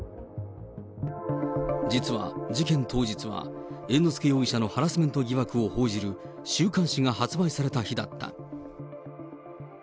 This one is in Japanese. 実は事件当日は、猿之助容疑者のハラスメント疑惑を報じる週刊誌が発売された日だった。